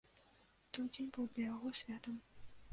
Той дзень быў для яго святам.